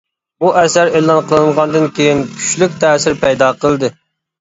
بۇ ئەسەر ئېلان قىلىنغاندىن كېيىن كۈچلۈك تەسىر پەيدا قىلدى.